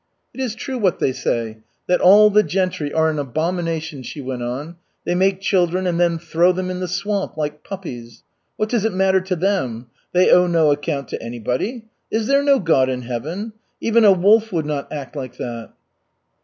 "It is true what they say, that all the gentry are an abomination," she went on. "They make children and then throw them in the swamp, like puppies. What does it matter to them? They owe no account to anybody. Is there no God in Heaven? Even a wolf would not act like that."